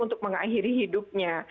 untuk mengakhiri hidupnya